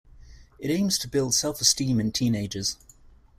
It aims to build self-esteem in teenagers.